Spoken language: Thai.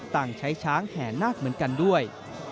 ใช้ช้างแห่นาคเหมือนกันด้วย